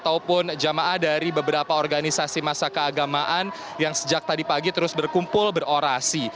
ataupun jamaah dari beberapa organisasi masa keagamaan yang sejak tadi pagi terus berkumpul berorasi